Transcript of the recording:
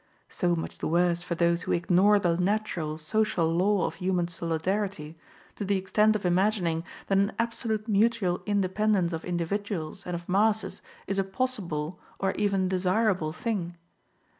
So much the worse for those who ignore the natural, social law of human solidarity, to the extent of imagining that an absolute mutual independence of individuals and of masses is a possible or even desirable thing.